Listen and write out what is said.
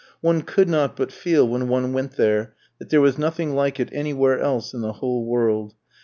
One could not but feel when one went there that there was nothing like it anywhere else in the whole world.